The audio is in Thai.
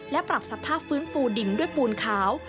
และปรับสภาพฟื้นฟูดินด้วยปูนขาว